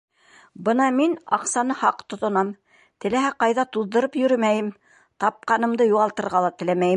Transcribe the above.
Бына мин аҡсаны һаҡ тотонам, теләһә ҡайҙа туҙҙырып йөрөмәйем, тапҡанымды юғалтырға ла теләмәйем.